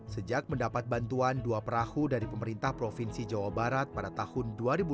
sejak mendapat bantuan dua perahu dari pemerintah provinsi jawa barat pada tahun dua ribu dua puluh